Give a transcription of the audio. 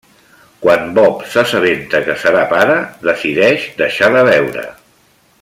Quan Bob s'assabenta que serà pare, decideix deixar de beure.